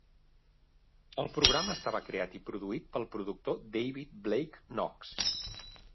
El programa estava creat i produït pel productor David Blake Knox.